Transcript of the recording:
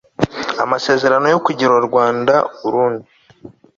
amasezerano yo kugira rwanda-urundi